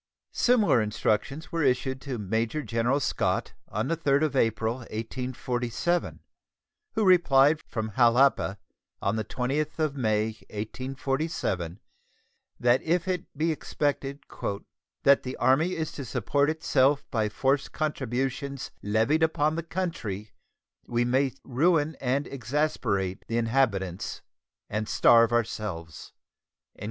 Similar instructions were issued to Major General Scott on the 3d of April, 1847, who replied from Jalapa on the 20th of May, 1847, that if it be expected "that the Army is to support itself by forced contributions levied upon the country we may ruin and exasperate the inhabitants and starve ourselves."